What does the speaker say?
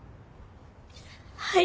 はい。